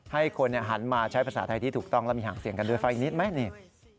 ให้คนหันมาใช้ภาษาไทยที่ถูกต้องแล้วมีห่างเสียงกันด้วยฟังอีกนิดไหมนี่